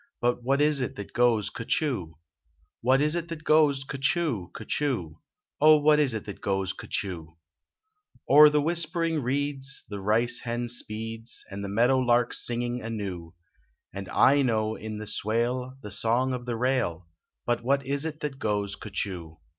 But what is it that goes cuhchoo ? What is it that goes cuhchoo, cuhchoo ? Oh, what is it that goes cuhchoo ? O er the whispering reeds the rice hen speeds, And the meadow lark singing anew, And I know in the swail the song of the rail, But what is it that goes cuhchoo